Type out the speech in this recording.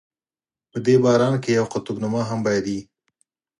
په دې باران کې یوه قطب نما هم باید وي.